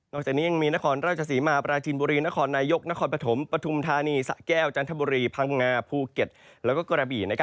จากนี้ยังมีนครราชศรีมาปราจินบุรีนครนายกนครปฐมปฐุมธานีสะแก้วจันทบุรีพังงาภูเก็ตแล้วก็กระบี่